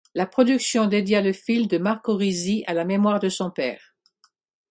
La production dédia le film de Marco Risi à la mémoire de son père.